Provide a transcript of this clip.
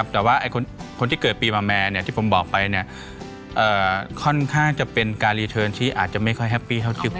แต่ว่าคนที่เกิดปีมาแม่ที่ผมบอกไปค่อนข้างจะเป็นการรีเทิร์นที่อาจจะไม่ค่อยแฮปปี้เท่าจุด